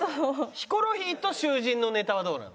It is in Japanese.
ヒコロヒーと囚人のネタはどうなの？